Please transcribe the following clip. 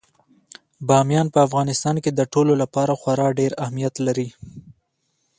بامیان په افغانستان کې د ټولو لپاره خورا ډېر اهمیت لري.